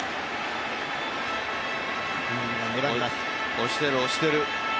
押してる、押してる。